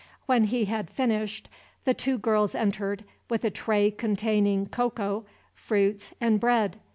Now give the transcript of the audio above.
When he had finished the two girls entered, with a tray containing cocoa, fruits, and bread.